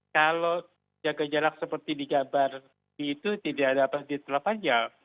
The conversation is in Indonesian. kalau jaga jarak seperti di gabar itu tidak dapat diterapkan aja